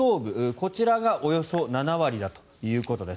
こちらがおよそ７割だということです。